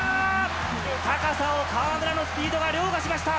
高さを河村のスピードがりょうがしました。